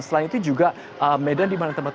selain itu juga medan di mana tempat